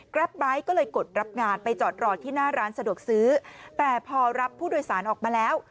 ไบท์ก็เลยกดรับงานไปจอดรอที่หน้าร้านสะดวกซื้อแต่พอรับผู้โดยสารออกมาแล้ว